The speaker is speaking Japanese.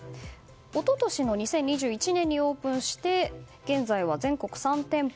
一昨年の２０２１年にオープンして現在は全国３店舗。